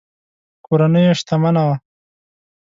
کورنۍ یې شتمنه وه.